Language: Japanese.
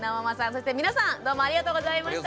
そして皆さんどうもありがとうございました。